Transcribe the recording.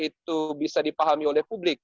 itu bisa dipahami oleh publik